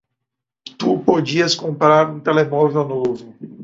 Tu podias comprar um telemóvel novo